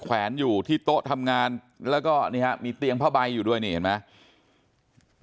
แวนอยู่ที่โต๊ะทำงานแล้วก็นี่ฮะมีเตียงผ้าใบอยู่ด้วยนี่เห็นไหม